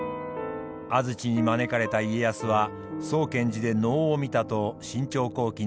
安土に招かれた家康は見寺で能を見たと「信長公記」に記されています。